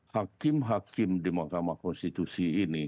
hakim hakim di mahkamah konstitusi ini